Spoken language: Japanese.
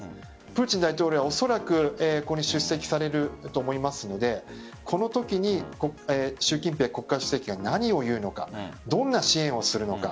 プーチン大統領はおそらくここに出席されると思いますのでこのときに習近平国家主席が何を言うのかどんな支援をするのか